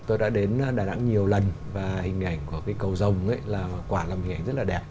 tôi đã đến đà nẵng nhiều lần và hình ảnh của cầu rồng là quả làm hình ảnh rất là đẹp